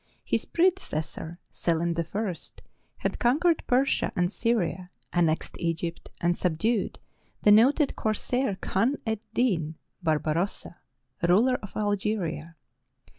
His predecessor, Selim I, had conquered Persia and Syria, annexed Egypt, and subdued the noted corsair Khan ed Din (Barbarossa), ruler of Algeria.